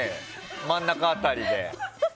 真ん中辺りで。